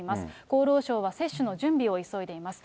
厚労省は接種の準備を急いでいます。